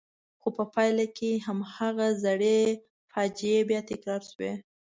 خو په پایله کې هماغه زړې فاجعې بیا تکرار شوې.